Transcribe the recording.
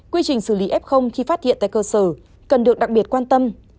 quy trình xử lý f khi phát hiện tại cơ sở cần được đặc biệt quan tâm